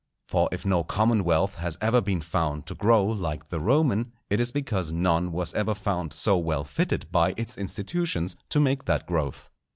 For if no commonwealth has ever been found to grow like the Roman, it is because none was ever found so well fitted by its institutions to make that growth.